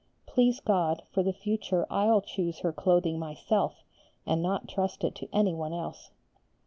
Please God, for the future I'll choose her clothing myself, and not trust it to anyone else.